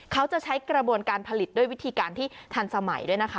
ใช้กระบวนการผลิตด้วยวิธีการที่ทันสมัยด้วยนะคะ